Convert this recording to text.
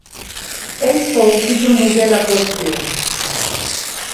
Ell fou qui promogué la qüestió.